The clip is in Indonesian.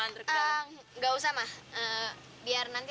gini tuh gak salah apa apa